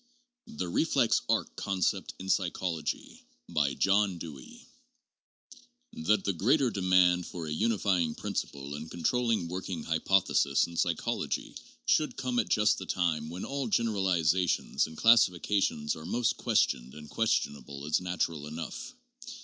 THE REFLEX ARC CONCEPT IN PSYCHOLOGY. BY PROFESSOR JOHN DEWEY, University of Chicago. That the greater demand for a unifying principle and con trolling working hypothesis in psychology should come at just the time when all generalizations and classifications are most questioned and questionable is natural enough.